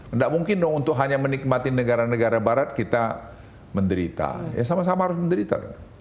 tidak mungkin dong untuk hanya menikmati negara negara barat kita menderita ya sama sama harus menderita